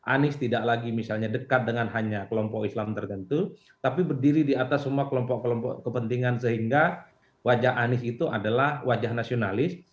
anies tidak lagi misalnya dekat dengan hanya kelompok islam tertentu tapi berdiri di atas semua kelompok kelompok kepentingan sehingga wajah anies itu adalah wajah nasionalis